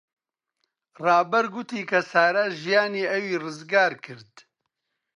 ڕابەر گوتی کە سارا ژیانی ئەوی ڕزگار کرد.